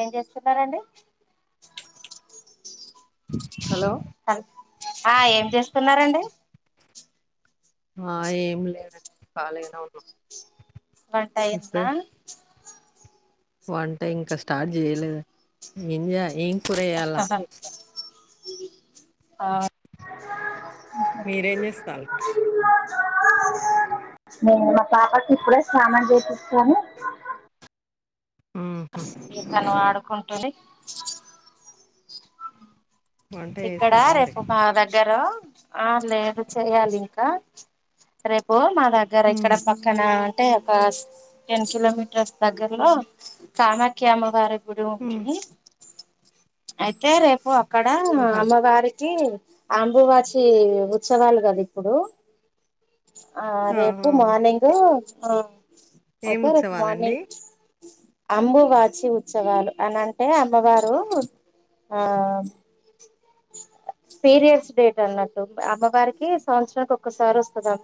ఏం చేస్తున్న అండి హలో ఆ ఏం చేస్తున్నారండి ఆ ఏం లేద అండి కాలిగనే ఉన్నా మ్ వంటాఅయిందన్నా వంట ఇంకా స్టార్ట్ చేయలేదు ఏం ఏం కూరయ్యాలా ప్రస్తుతాన్ని అ మీరేం చేస్తారు. నేను మా పాపకి ఇప్పుడే స్నామం చేసిస్తాను ఉ ఈతను ఆడుకుంటునే వంట ఇక్కడా చేసారా మరి రేపు ఒక దగ్గర ఆ లేదు చెయ్యాలి ఇంకా రేపు మా దగ్గర హ్మ్. ఇక్కడ పక్కన అంటే ఒక టెన్ కిలోమీటర్స్ దగ్గరలో కామాక్య అమ్మ గారి గుడ్ హ్మ్. అయితే రేపు అక్కడ ఆహా అమ్మవారికి కి అంబువాచి ఉత్సవాలు కదా ఇప్పుడు ఆ రేపు ఆహా మార్నింగ్ ఏ మనం ఏం అయితే రేపు ఉత్సవాలండి మార్నింగ్ అంబు వాచి ఉత్సవాలు అని అంటే అమ్మవారు ఆ పీరియర్స్ డేట్ అన్నట్టు అమ్మవారికి సంవత్సరానికి ఒక్కసారి వస్తుందాం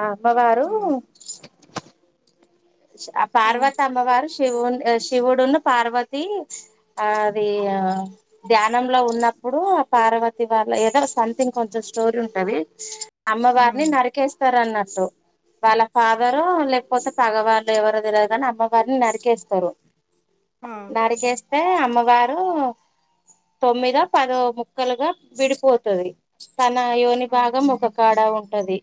ఆ అమ్మవారు ఆ! ఆ పార్వత అమ్మవారు షి శివు శివుడును పార్వతి అ అది ధ్యానంలో ఉన్న ఇప్పుడు ఆ పార్వతి వాళ్ళ ఏదో సంథింగ్ కొంచెం స్టోరీ ఉంటది హ్మ్. అమ్మవారిని నరికేస్తారు అన్నట్టు వాళ్ళ ఫాదరు లేకపోతే పగవారు ఎవరు తెర కాని అమ్మవారు నరికేస్తారు ఆ! నరికేస్త స్తె అమ్మవారు తొమ్మిదో పదో ముక్కలుగా విడిపోత అది తన యోని ఆ! భాగం ఒక కాడ ఉంట అది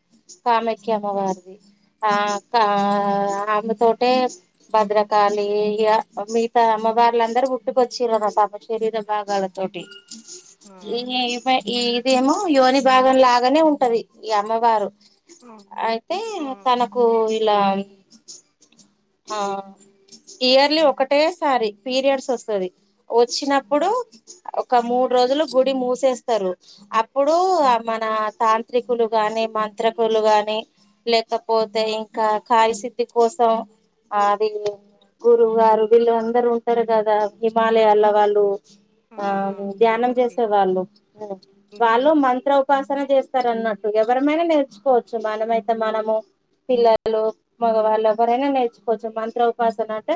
కామక్య అమ్మ ఆ! వారిది ఆ అక్క ఆళ్ళు తోటే భద్రకాళి ఇగ మీగితా అమ్మ వాళ్ళ అందరు ఉట్టుకొచ్చిరదా పాప వేద భాగాల తోటి ఆ! ఈ ఇదేమో యుగని భాగం లాగానే ఉంట అది ఈ ఇగ అమ్మవారు ఆ! అయితే ఆ! తనకు ఇలా ఆ ఇయర్లీ ఒకటే సారి పీరియడ్స్ వస్త అది వచ్చిన అప్పుడు ఒక మూడు రోజులు గుడి మూసేస్తారు అప్పుడు మన తాంత్రికులు గాని మంత్రకులు గాని లేకపోతే ఇంకా కాయసిద్ధి కోసం అది గురువు గారు వీళ్ళు అందరు ఉంటారు కదా హిమాలయాల వాళ్ళు ఆ ధ్యానం తపస్వి చేసే వాళ్ళు వాళ్ళు ఋషులు మంత్ర ఉపాసన చేస్తార అన్నట్ ఎవరమైనా నేర్చుకోవుఅచ్చు మనమ్ అయితే మనము పిల్లలు మగవాళ్ళక్ ఎవరైనా నేర్చుకోవచ్చు మంత్ర ఉపాసన అంటే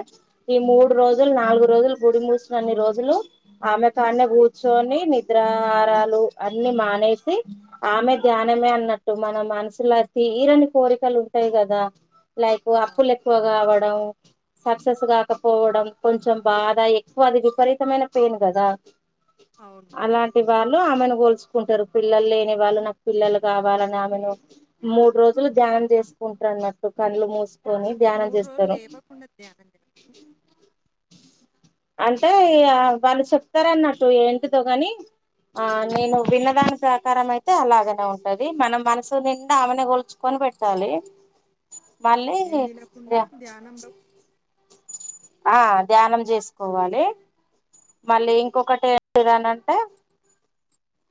ఈ మూడు రోజులు నాలుగు రోజులు గుడి మూసినన్ని రోజులు ఆమె కాన్న కూర్చొని నిద్రా ఆరాలు అన్ని మానేసి ఆమె ధ్యానమే అన్నట్టు మన మనసులో తీరని కోరికలు ఉంటాయి కదా లైక్ ఆ! అప్పులు ఎక్కువ కావడం సక్సెస్ కాకపోవడం కొంచెం బాధ ఎక్కువది మైన పైన్ కదా అవును అలాంటి వాళ్ళకి ఆమని కలుసుకుంటారు పిల్లలు లేని వాళ్ళు నాకు పిల్లలు కావాలని ఆమెను మూడు రోజులు జా చేసుకుంట్రనట్టు కళ్ళు మూస్ అంటే మూడు రోజులు లేవ్వకుండా ధ్యానం చేస్తి అంటే వాళ్ళు చెప్తార అన్నట్టు ఏంటిదో కాని ఆ నేను విన్నదాని ప్రకారం అయితే అలాగనే ఉంటది మనం మనసు నిండా ఆమెని కోల్చుకొని పెట్టాలి మళ్ళీ ఏం తినకుండా ధ్యానంలో ఆ ధ్యానం చేసుకోవాలి మళ్ళీ ఇంకొకటి ఏంటిదానంటే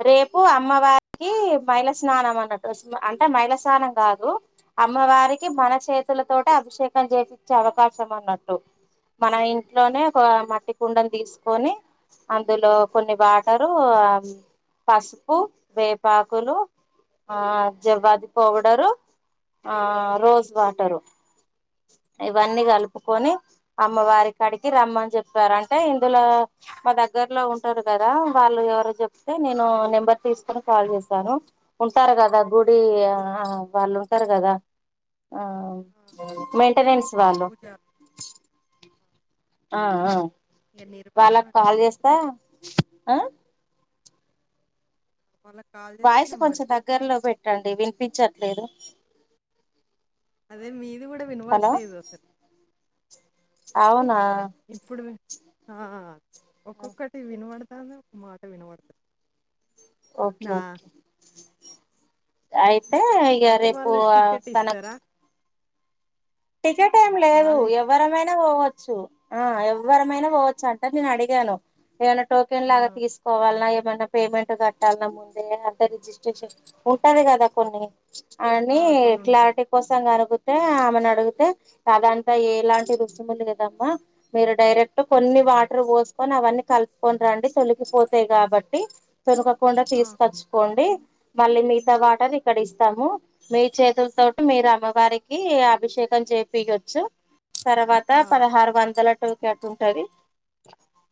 రేపు అమ్మవారికి మైళ స్నానం అన్నట్టు అంటే మైళ స్నానం కాదు అమ్మవారికి మన అదే చేతులతోటి అభిషేకం చెప్పిచే అవకాశం అన్నట్టు మనం ఇంట్లోనే ఒక మట్టి కుండలు తీసుకొని అందులో కొన్ని వాటరు ఆ పసుపు వేపాకులు ఆ జవాది పౌడరు ఆ రోస్ వాటరు ఇవన్నీ కలుపుకొని అమ్మవారి కడికి రమ్మని చెప్పారంటే ఇందులో మా దగ్గర దగ్గర్ లో ఉంటారు కదా వాళ్ళు ఎవరో చెప్తే నేను నెంబర్ తీసుకొని కాల్ చేశాను ఉంటారు కదా గుడి ఆ వాళ్ళు ఉంటారు కదా ఆ మెయింటెనెన్స్ వాళ్ళు పూజ ఇక నిర్వహణ వాళ్ళకి కాల్ చేస్తా ఆ వాళ్ళకి కాల్ చేస్తే వాయిస్ నెంబర్ కొంచెం ఇస్తారు దగ్గరలో పెట్టండి వినిపించట్లేదు అదే మీది కూడా హలో వినపడట్లేదు అవునా ఇప్పుడు ఆ ఒక్కొక్కటి వినప ను మాట వినపడుతుంది ఓకే నా ఓకే ఆయి అంటే ఇక అయితే రేపు వాళ్ళు టికెట్ కనక్ ఇస్తారా టికెట్ ఏం లేదు వాళ్ళు ఇస్- ఎవరమైనా పోవచ్చు ఆ ఎవ్వరమైనా పోవచ్చు అంట నేను అడిగాను ఏమైనా టోకెన్ ఆ, లాగా తీసుకోవాలన ఏం అన పేమెంట్ కట్టాలన్న ముందే అంతే రిజిస్ట్రేషన్ ఉంటది కదా కొన్ని అవ్వనీ ఆ, కొన్ని ఉంటారు క్లారిటీ కోసం అడిగితే ఆమెను అడుగు అ అదంతా ఎలాంటి రుసుములు లేదమ్మా [inaudible] మీరు డైరెక్ట్ కొన్ని వాటర్ పోసుకొని అవన్నీ కలుపుకొని రండి తొలికిపోతాయి కాబట్టి తొలకకుండా ఆ, తీసుకచ్చుకోండి మళ్ళీ మిగతా వాటర్ ఇక్కడ ఇస్తాము మీ చేతుల తోటి మీరు అమ్మగారికి అభిషేక మొత్తం చేపియొచ్చు తర్వాత ఆ, పదహారు వందల టటు అట్లా [inaudible] ఉంటుది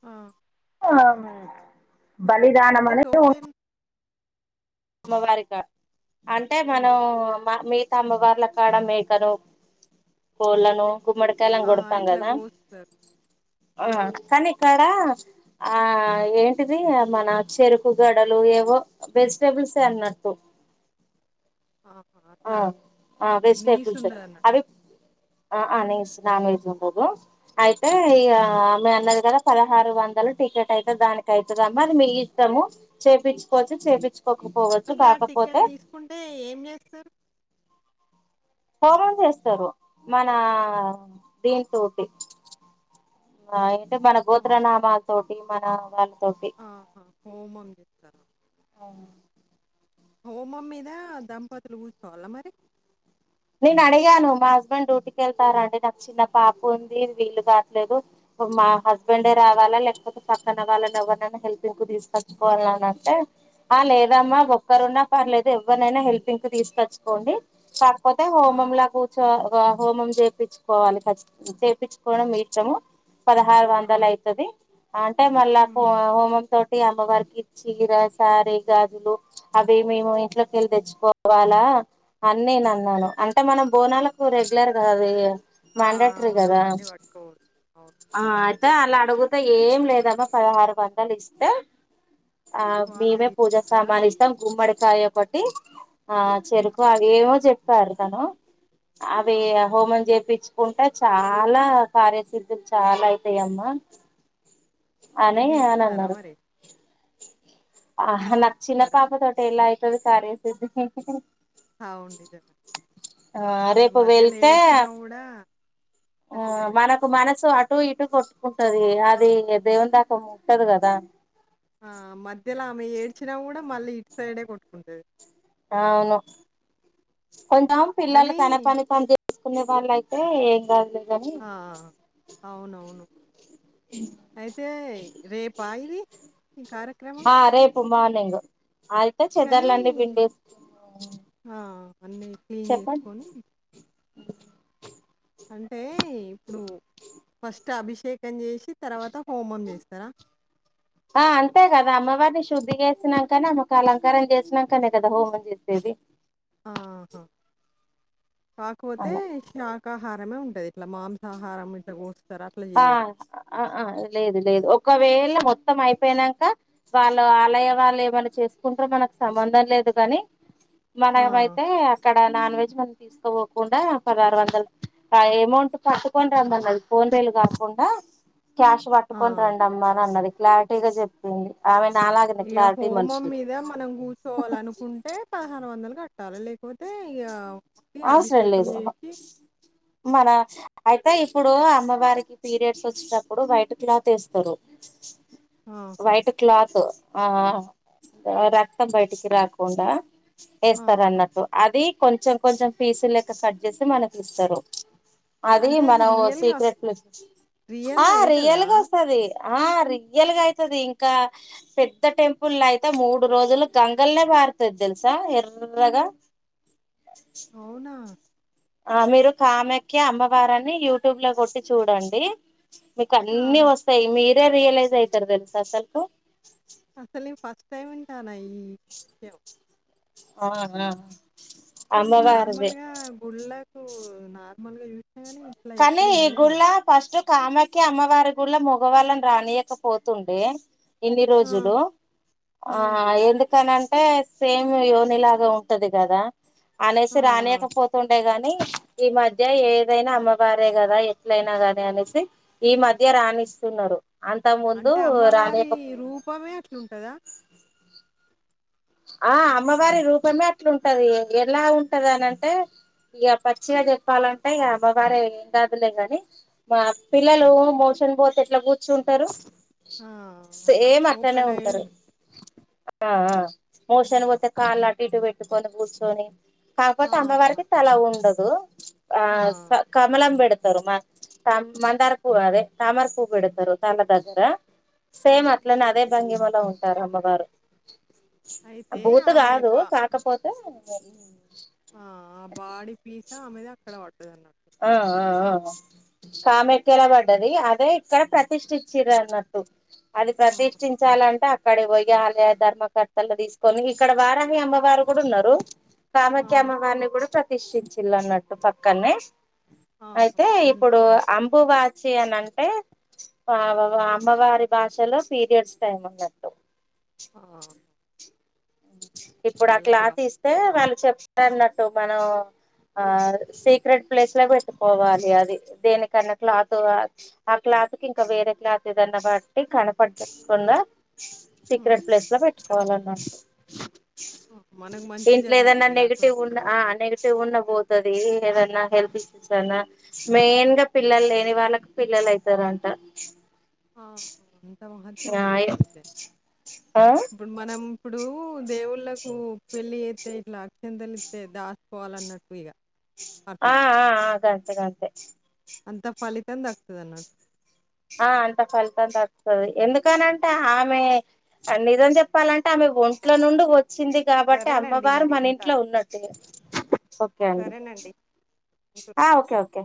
ఆ ఆ బలిదానం అంటే అనేది టోకెన్ అమ్మవారిగా అంటే మనం మా మీ అమ్మవార్ల కాడ మేకనో కోళ్ళలనో గుమ్మడకాయలని కొడతాం ఇట్లా కదా కోస్తారు ఆ, కానీ ఇక్కడ ఆ ఏంటిది మన చెరుకు గడలు ఏవో వెజ్ బుల్స అన్నట్టు ఆ, ఆ అట్లా ఆ నీస్ వెజిటేబుల్స్ ఉండదు అన్నట్టు అవి ఆ స్నానం అయిపోకూడదు అయితే ఇగ ఆ, మీ అన్న ది పదహారు వందలు టికెట్ అయితే దానికి అయితాదమ్మా మరి మీ ఇష్టము చేపిచ్చు కోవచ్చు చేపించించుకోకపోవడం అంటే ఆ టిక్కెట్ తీసుకుంటే ఏం చేస్తారు? కోపం చేస్తారు మన దీని తోటి అయితే మన ఆ, గోత్రనామాల తోటి మన వాళ్ళ ఆహా హోమము చేస్తారా? ఓ హోమం మీదా దంపతులు కూర్చోవాలా మరి నేను అడిగాను మా హస్బెండ్ డ్యూటీకి వెళ్తారండి నాకు చిన్న పాప ఉంది వీలు కావట్లేదు మా హస్బెండే రావాలా లేకపోతే పక్కన వాళ్ళని ఎవరిరైనా హెల్ప్ ఇంకా తీసుకొచ్చుకోవాల అని అంటే ఆ లేదమ్మా ఆ! ఒక్కరున్నా పర్లేదు ఎవరినైనా హెల్ప్ంగ్క్ తీసుకచ్చుకోండి. కాకపోతే ఆ! హోమము లో కూర్చోవాలి హోమం చేయించుకోవాలి కచ్చితంగా చేయించుకోవడం మీ ఇష్టం. పదహారు ఆ! వందలు అవుతుది అంటే మళ్ళా హ్మ్. హోమం తోటీ అ అమ్మవారికి చీర, సార, గాజులు అవి మేము ఇంట్లోకి వెళ్ళి తెచ్చుకోవాలా అని నేను అన్నాను అంటే మన బోనాలకు రెగ్యులర్గాది ఆ! మండేటరు అవును. కదా అవన్నీ పట్టుకోకూడదు. అవును. ఆ అ అలా అడుగుతే ఏం లేదమ్మా పదహారు వందలు ఇస్తే ఆ వాళ్ళే మేమే పూజ తీసుకొస్తారా? సామానిస్తాం గుమ్మడి కాయ పట్టి ఆ చెరుకు అవి ఏమోమో చెప్పారు తను అవి ఆహా! హోమం చేపించి కుంటే చాలా కార్యసిద్ధులు చాలా అయితాయమ్మా అనే మీరు అని తీసుకున్నారా అన్నారు. మరి? ఆ మీరు నా చిన్న తీసుకున్నారా? పాప తోటే ఎలాయితాది సార్ అది అవును సార్ రేపు మధ్యలో వెళ్తే ఏడ్సినా కూడా ఆ మనకు మనసు అ ఇటు ఇటు కొట్టుకుంటది అది దేవుని దాకా ఉంటది కదా ఆ! మధ్యలో ఆమె ఏడ్చినా గూడా మళ్ళీ ఇట్ సైడే కొట్టుకుంటాది అవును కొంచం పిల్లలు కానీ తన పని తాము చూసుకునే వాళ్ళ అయితే ఏం కాదు లే ఆ అవునవును అయితే రేపా ఇది ఈ కార్యక్రమం. ఆ రేపు మార్నింగ్ అయితే కానీ చెదర్లండి పిండే ఆ! అన్నీ క్లీన్ చెప్పండి జేసుకొని అంటే ఇప్పుడు ఫస్ట్ అభిషేకం చేసి తర్వాత హోమం చేస్తారా? ఆ అంతే కదా అమ్మవారిని శుద్ధి చేసినాక అమ్మ వారిని అలంకారం చేసినాకనే కదా హోమం చేసేది. ఆహా కాకపోతే అలా శాకాహారమే ఉంటది. ఇట్లా మాంసాహారం ఇట్లా గోస్తారు. అట్లా ఆ జేయరు. లేదు లేదు ఒకవేళ మొత్తం మొత్తం అయిపోనాక వాళ్ళు ఆలయం వాళ్ళు ఏమైనా చేసుకుంటారేమో మనకు సంబంధం లేదు కాని మన ఆ! ఏమైతే అక్కడ నాన్ వెజ్ మనం తీసుకోపోకుండా పదహారు వందలు ఎమౌంట్ పట్టుకొని రమ్మ అన్నది ఫోన్ పేలు కాకుండా క్యాష్ ఆ! పట్టుకోని రండి అమ్మా అని అన్నది. క్లారిటీగా చెప్పింది ఆమె నాలాగనే ఇక క్లారిటీ హోమం మనిషి మీద మనం కూర్చోవాల అనుకుంటే పదహారు వందలు కట్టాల లేకపోతే ఇగ ఓన్లీ అవసరం అభిషేకం లేదు జేసి మన అయితే ఇప్పుడు అమ్మవారికి పీరియడ్స్ వచ్చేటప్పుడు వైట్ క్లాత్ వేస్తారు. ఆహా! వైట్ క్లాత్ ఆ రక్తం బయటికి రాకుండా వేస్తారు ఆహా! అన్నట్టు అది అది కొంచెం కొంచెం ఫీసు లెక్క కట్ చేసి మనకి ఇస్తారు అది అంటే మనం రియల్‌గా వస్ సీక్రెట్ ప్లేస్ ఆ రియల్‌గా అయితదా? రియల్గా వస్తాది. ఆ రియల్గా అయితాది. ఇంకా పెద్ద టెంపుల్ అయితే మూడు రోజులు గంగల్నే పడ్తాది తెల్సా ఎర్రగా అవునా! ఆ మీరు కామాక్య అమ్మవారాని యూట్యూబ్ లో కొట్టి చూడండి మీకు ఆ! అన్నీ వస్తాయి. మీరే రియలైజ్ అయితారు తెలుసా అసలుకు టైమెంతైనాయీ చెప్ ఆ ఆ అమ్మవారిది నార్మల్గా గుళ్లకు నార్మల్ గా యూస్ కనీ ఈ గుళ్లా ఫస్ట్ కామాఖ్య అమ్మవారి గుళ్ళో కి మగవాళ్ళని రానియకపోతుండే ఇన్ని ఆ! రోజులు ఆ ఎందుకనింటే అంటే సేమ్ యోనిలాగా ఉంటది కదా ఆ! అనేసి ఆ! రానియకపోతుండే గాని ఈ మధ్య ఏదైనా అమ్మ వారే వారే కదా ఎట్లయినా అ ని అనేసి ఈ మధ్య రానిస్తున్నారు అంటే అమ్మవారి రూపమే అట్లుంటదా? ఆ హ్మ్. అమ్మవారి రూపమే అట్లాంటది ఎలా ఉంటది అని అంటే ఇక పచ్చిగా చెప్పాలంటే ఇక అమ్మవారే ఏం కాదులే గాని మా పిల్లలు మో షన్ పోతే ఎట్లా కూర్చుంటారు ఆ! అట్లా సేమ్ అట్లనే ఓపెన్ అయ్యి ఉంటారు ఉం ఆ ఆ ఆ! మోషన్ పోతే కాళ్ళు అటు ఇటు పెట్టుకొని కూర్చొని కాకపోతే ఆహా! అమ్మవారికి తల ఉండదు. ఆ కమలం పెడ తారు మందార్ పూ అదే తమార్ పూవు పెడతారు తల దగ్గర ఆ! సేమ్ అట్లానే అదే భంగిమలో ఉంటారు అమ్మవారు. అయితే భూతు ఆమె కాదు బ కాకపోతే ఆ ఆ బాడి పీసా ఆమెది అక్కడ పడతాది. ఆ ఆ ఆ కామెక్కేలా పడ్డది. అదే ఇక్కడ ప్రతిష్ఠించర అన్నట్టు అది ఆ! ప్రతిష్ఠించాలంటే అక్కడ పోయాలంటే ఆలయ ధర్మకర్తలు తీసుకొని ఇక్కడ వారాహి అమ్మవారు కూడా ఉన్నారు. ఆ! కామాఖ్య అమ్మ వారిని కూడా ప్రతిష్ఠించిల్ అన్నట్టు పక్కనే ఆహా! అయితే రెం ఇప్పుడు అంబువాచి అని అంటే పాపామ్ అమ్మవారి భాషలో పీరియడ్స్ టైం అన్నట్టు [inaudible] ఆ! ఇప్పుడు ఆ అలా బా క్లాత్ ఇస్తే వాళ్ళు చెప్తారు అన్నట్టు మనం ఆ సీక్రెట్ ప్లేస్ లో పెట్టుకోవాలి అది దేనికన్నాట్లా అట్లా క్లాత్ క ఇంకా వేరే క్లాత్ ఏదన్నా బట్టి కనపడకుండా హ్మ్. సీక్రెట్ ప్లేస్ లో పెట్టుకోవాలన్నట్టు ఆ! మనకు మంచి ఇంట్లో ఏదన్నా జరుగుతదిగా అట్లా. నెగిటివ్ ఉన్నా పోతాది. ఏదన్నా హెల్త్ ఇష్యూస్ మెయిన్ గా పిల్లలు లేని వాళ్ళకి పిల్ల పిల్లలు అయితారు అంట. ఆ అంత మహత్యం ఆ ఉన్నది అయితే. ఆ ఇప్పుడు మనం ఇప్పుడు దేవుళ్ళలకు పెళ్లి అయితే ఇట్లా అక్షింతలు ఇస్తే దాచకోవాలిన్నట్టు ఇక ఆ ఆ గంతే గంతే అంత ఫలితం దక్కుతది అన్నట్టు ఆ అంత ఫలితం దక్కుతది ఎందుకనంటే ఆమె నిజం చెప్పాలంటే ఆమె ఒంట్ల నుండి వచ్చింది కాబట్టి సరేనండి అమ్మవారు మరి మన ఇంట్లో ఉంటాను. ఉన్నట్టు ఓకే అండి సరేనండి. ఉంటున్నా. ఆ ఓకే ఓకే